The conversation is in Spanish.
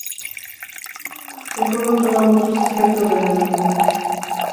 El juego toma muchos aspectos del anime.